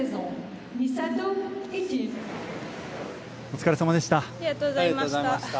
お疲れさまでした。